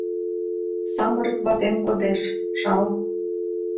Самырык ватем кодеш — жал